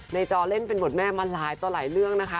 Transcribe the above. จอเล่นเป็นบทแม่มาหลายต่อหลายเรื่องนะคะ